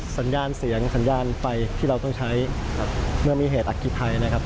สัญญาณเสียงสัญญาณไฟที่เราต้องใช้ครับเมื่อมีเหตุอักกีภัยนะครับ